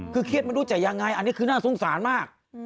คือเครียดไม่รู้จะยังไงอันนี้คือน่าสงสารมาก